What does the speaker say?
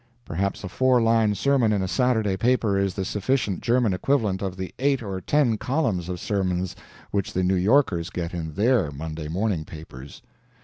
Perhaps a four line sermon in a Saturday paper is the sufficient German equivalent of the eight or ten columns of sermons which the New Yorkers get in their Monday morning papers.